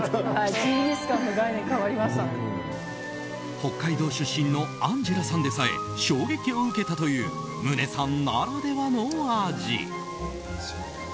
北海道出身のアンジェラさんでさえ衝撃を受けたという宗さんならではの味。